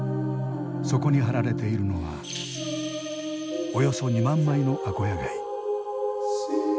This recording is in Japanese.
そこに貼られているのはおよそ２万枚のアコヤ貝。